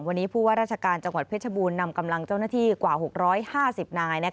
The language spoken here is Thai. วันนี้ผู้ว่าราชการจังหวัดเพชรบูรณ์นำกำลังเจ้าหน้าที่กว่า๖๕๐นาย